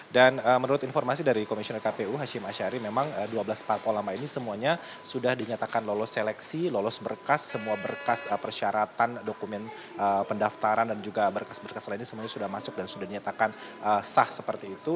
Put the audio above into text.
dan menurut informasi dari komisioner kpu hashim asyari memang dua belas parpol lama ini semuanya sudah dinyatakan lolos seleksi lolos berkas semua berkas persyaratan dokumen pendaftaran dan juga berkas berkas lainnya semuanya sudah masuk dan sudah dinyatakan sah seperti itu